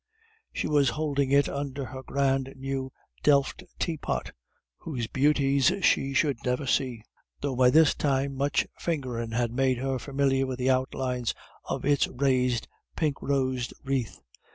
She was holding under it her grand new delft teapot, whose beauties she should never see; though by this time much fingering had made her familiar with the outlines of its raised pink rose wreath.